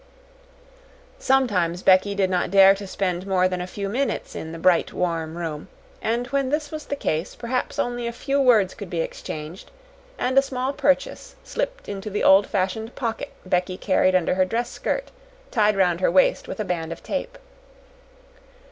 Sometimes Becky did not dare to spend more than a few minutes in the bright, warm room, and when this was the case perhaps only a few words could be exchanged, and a small purchase slipped into the old fashioned pocket Becky carried under her dress skirt, tied round her waist with a band of tape.